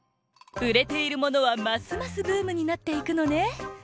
売れているものはますますブームになっていくのね。